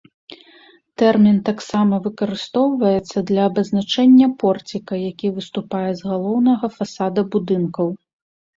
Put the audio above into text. Тэрмін таксама выкарыстоўваецца для абазначэння порціка, які выступае з галоўнага фасада будынкаў.